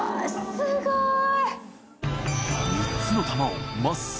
すごい。